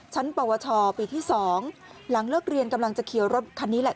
ปวชปีที่๒หลังเลิกเรียนกำลังจะเขียวรถคันนี้แหละ